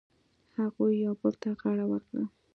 هغوی یو بل ته غاړه ورکړه.